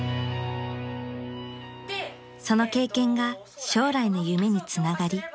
［その経験が将来の夢につながり］